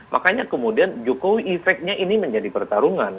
makanya kemudian jokowi effect nya ini menjadi pertarungan